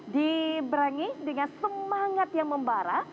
diberangi dengan semangat yang membara